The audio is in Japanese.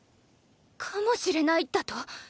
かもしれないだと？